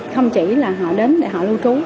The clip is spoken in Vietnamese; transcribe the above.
không chỉ là họ đến để họ lưu trú